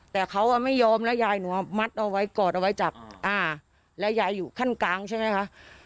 แต่เขาไม่ยอมแล้วยายหนูมัดเอาไว้กอดเอาไว้จับอ่าแล้วยายอยู่ขั้นกลางใช่ไหมคะ